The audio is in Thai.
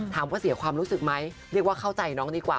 ถามว่าเสียความรู้สึกไหมเรียกว่าเข้าใจน้องดีกว่า